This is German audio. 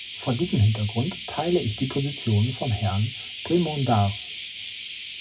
Vor diesem Hintergrund teile ich die Position von Herrn Bremond d'Ars.